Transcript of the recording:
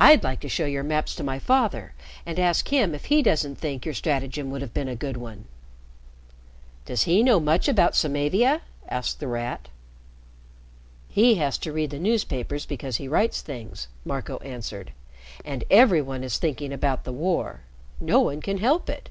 "I'd like to show your maps to my father and ask him if he doesn't think your stratagem would have been a good one." "Does he know much about Samavia?" asked The Rat. "He has to read the newspapers because he writes things," Marco answered. "And every one is thinking about the war. No one can help it."